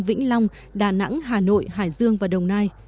vĩnh long đà nẵng hà nội hải dương và đồng nai